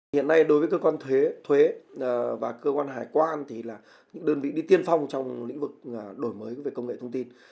và cơ quan hải quan thì là những đơn vị đi tiên phong trong lĩnh vực đổi mới về công nghệ thông tin